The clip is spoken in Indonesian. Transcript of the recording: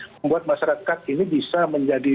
membuat masyarakat ini bisa menjadi